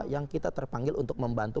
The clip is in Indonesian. yang kita terpanggil untuk membantu